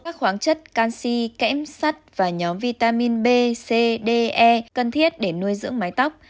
các khoáng chất canxi kém sắt và nhóm vitamin b c d e cần thiết để nuôi dưỡng mái tóc